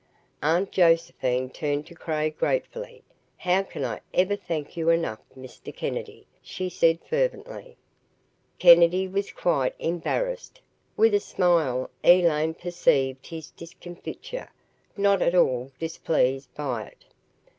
Aunt Josephine turned to Craig gratefully. "How can I ever thank you enough, Mr. Kennedy," she said fervently. Kennedy was quite embarrassed. With a smile, Elaine perceived his discomfiture, not at all displeased by it.